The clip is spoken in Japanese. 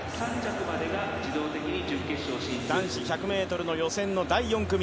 男子１００ｍの予選の第４組。